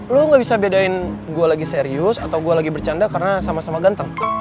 lo gak bisa bedain gue lagi serius atau gue lagi bercanda karena sama sama ganteng